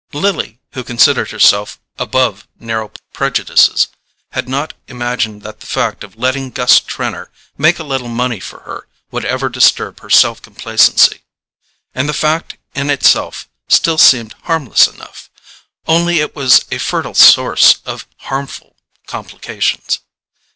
Lily, who considered herself above narrow prejudices, had not imagined that the fact of letting Gus Trenor make a little money for her would ever disturb her self complacency. And the fact in itself still seemed harmless enough; only it was a fertile source of harmful complications.